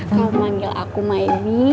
kamu manggil aku mayli